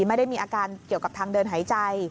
ไม่ได้มีอาการเกี่ยวกับทางเดินหายใจ